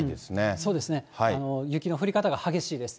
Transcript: そうですね、雪の降り方が激しいです。